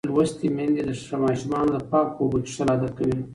ښوونځې لوستې میندې د ماشومانو د پاکو اوبو څښل عادت کوي.